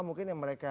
mungkin yang mereka